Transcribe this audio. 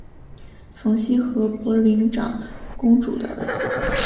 冯熙和博陵长公主的儿子。